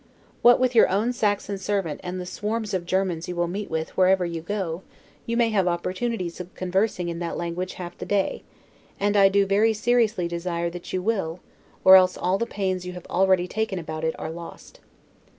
What with your own Saxon servant and the swarms of Germans you will meet with wherever you go, you may have opportunities of conversing in that language half the day; and I do very seriously desire that you will, or else all the pains that you have already taken about it are lost.